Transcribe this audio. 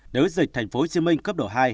nếu dịch tp hcm cấp độ hai